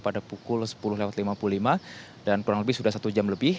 pada pukul sepuluh lewat lima puluh lima dan kurang lebih sudah satu jam lebih